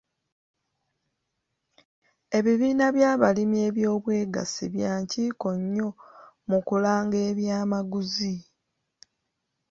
Ebibiina by'abalimi eby'obwegassi bya nkiko nnyo mu kulanga eby'amaguzi.